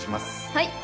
はい。